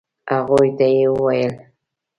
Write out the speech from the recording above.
هغوی ته يې وويل.